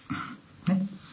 ねっ。